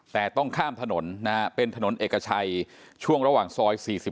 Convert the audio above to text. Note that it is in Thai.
แต่ต้องข้ามถนนนะฮะเป็นถนนเอกชัยช่วงระหว่างซอย๔๑